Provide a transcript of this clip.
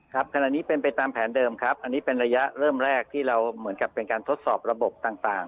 ขณะนี้เป็นไปตามแผนเดิมครับอันนี้เป็นระยะเริ่มแรกที่เราเหมือนกับเป็นการทดสอบระบบต่าง